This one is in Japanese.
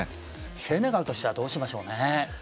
セネガルとしてはどうしましょうね。